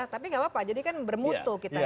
tapi gapapa jadi kan bermutu kita nanti